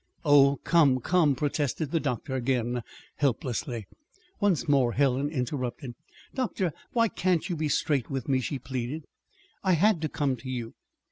"Oh, come, come," protested the doctor, again helplessly. Once more Helen interrupted. "Doctor, why can't you be straight with me?" she pleaded. "I had to come to you.